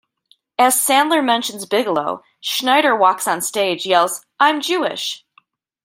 As Sandler mentions Bigelow, Schneider walks on stage, yells, I'm Jewish!